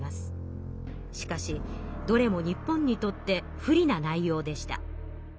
しかしどれも日本にとって不利な内容でした。